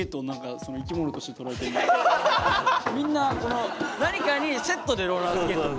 みんな何かにセットでローラースケート。